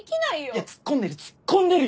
いやツッコんでるツッコんでるよ！